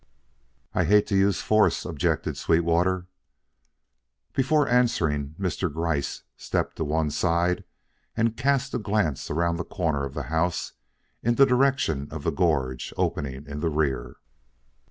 "I hate to use force," objected Sweetwater. Before answering, Mr. Gryce stepped to one side and cast a glance around the corner of the house in the direction of the gorge opening in the rear.